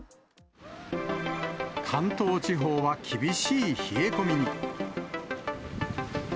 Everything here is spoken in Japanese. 関東地方は厳しい冷え込みに。